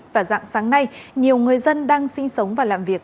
và dạng sáng nay nhiều người dân đang sinh sống và làm việc